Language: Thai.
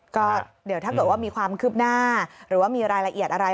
ก็เดี๋ยวถ้าเกิดว่ามีความคืบหน้าหรือว่ามีรายละเอียดอะไร